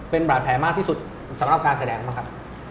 เป็นบาดแผลมากที่สุดสำหรับการแสดงบ้างครับ